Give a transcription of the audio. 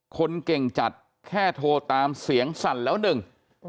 คนเก่งจัดแค่โทรตามเสียงสั่นแล้วหนึ่ง